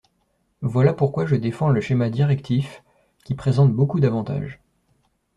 Voilà pourquoi je défends le schéma directif, qui présente beaucoup d’avantages.